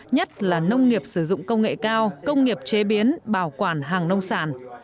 nhất là nông nghiệp sử dụng công nghệ cao công nghiệp chế biến bảo quản hàng nông sản